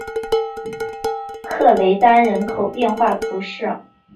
克雷丹人口变化图示